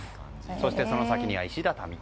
そして、その先には石畳。